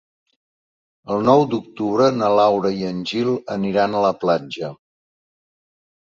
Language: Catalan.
El nou d'octubre na Laura i en Gil aniran a la platja.